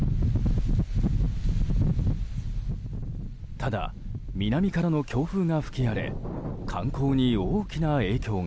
ただ、南からの強風が吹き荒れ観光に大きな影響が。